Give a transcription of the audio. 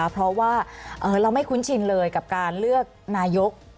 เพราะว่าเราไม่คุ้นชินเลยกับการเลือกนายก